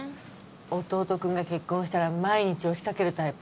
弟くんが結婚したら毎日押しかけるタイプ？